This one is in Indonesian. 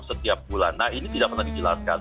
setiap bulan nah ini tidak pernah dijelaskan